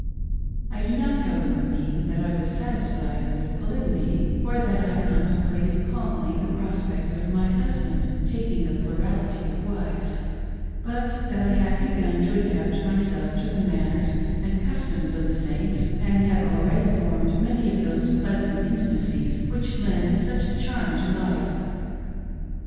I do not, however, mean that I was satisfied with Polygamy or that I contemplated calmly the prospect of my husband taking a plurality of wives ; but that I had begun to adapt myself to the manners and customs of the Saints, and had already formed many of those pleasant intimacies which lend such a charm to life.